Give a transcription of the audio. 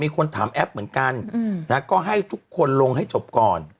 คนถามแอปเหมือนกันนะก็ให้ทุกคนลงให้จบก่อน